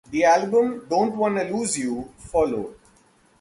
The album "Don't Wanna Lose You" followed.